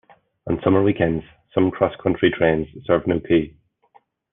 On summer weekends some CrossCountry trains serve Newquay.